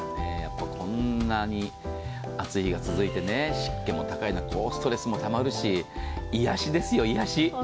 こんなに暑い日が続いて湿気が高いとストレスもたまるし、癒やしですよ癒やし。